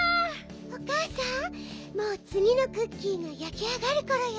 おかあさんもうつぎのクッキーがやきあがるころよ。